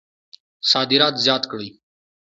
صادرات زیات کړئ